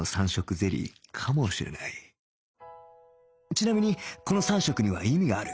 ちなみにこの３色には意味がある